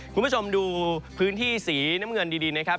คุณผู้ชมดูพื้นที่สีน้ำเงินดีนะครับ